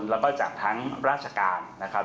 แล้วก็จากทั้งราชการนะครับ